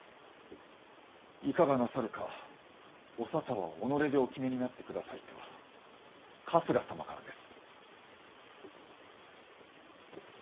いかがなさるかお沙汰は己でお決めになって下さいと春日様からです。